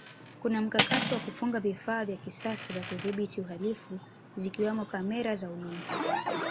kuna mkakati wa kufunga vifaa vya kisasa vya kudhibiti uhalifu zikiwamo kamera za ulinzi